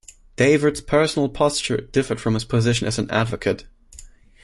Davis's personal posture differed from his position as an advocate.